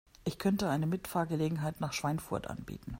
Ich könnte eine Mitfahrgelegenheit nach Schweinfurt anbieten